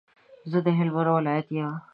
زه د هلمند ولایت یم.